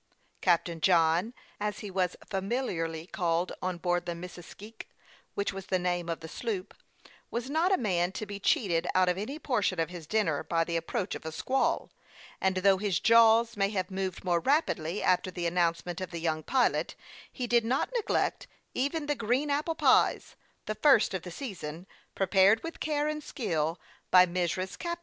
Captain John, as he was familiarly called on board the Missisque, which was the name of the sloop, was not a man to be cheated out of any portion of his dinner by the approach of a squall ; and though his jaws may have moved more rapidly after the announcement of the young pilot, he did not neglect even the green apple pies, the first of the season, prepared with care and skill by Mrs. Cap THE YOUNG PILOT OF LAKE CHAMPLAIN.